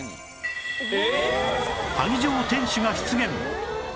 萩城天守が出現！